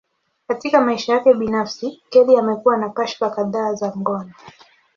Katika maisha yake binafsi, Kelly amekuwa na kashfa kadhaa za ngono.